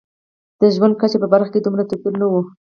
د ژوند کچې په برخه کې دومره توپیر نه و.